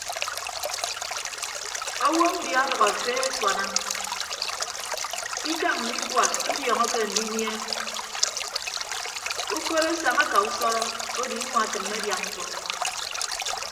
Owo mbia ọdʌk efe asuana ikañ mme ikua idiọọñọke andinie ukot asaña aka usọrọ odo inua atịmme adia ñkpọ.